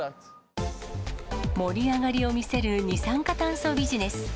盛り上がりを見せる二酸化炭素ビジネス。